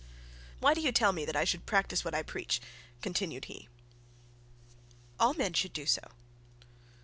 'Why do you tell me that I should practise what I preach?' continued he. 'All men should do so.'